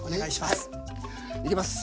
いきます。